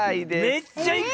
めっちゃいく！